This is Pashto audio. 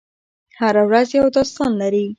هره ورځ یو داستان لري.